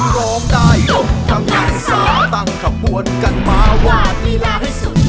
ร้องได้ยกกำลังซ่าตั้งทีบกระบวนกันมาวางวางบีลาให้สุด